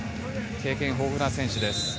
経験豊富な選手です。